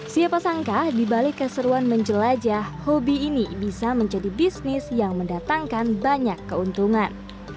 siapa sangka dibalik keseruan menjelajah hobi ini bisa menjadi bisnis yang mendatangkan banyak keuntungan